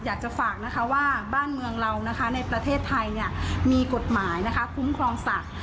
อยากจะฝากนะคะว่าบ้านเมืองเราในประเทศไทยมีกฎหมายคุ้มครองสัตว์